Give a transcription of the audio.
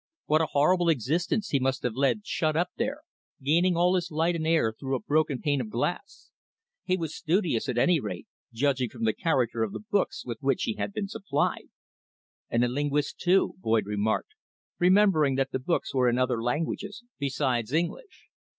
"What a horrible existence he must have led shut up there, gaining all his light and air through a broken pane of glass. He was studious, at any rate, judging from the character of the books with which he had been supplied." "And a linguist too," Boyd remarked, remembering that the books were in other languages besides English.